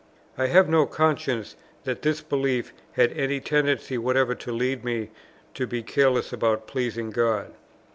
I have no consciousness that this belief had any tendency whatever to lead me to be careless about pleasing God.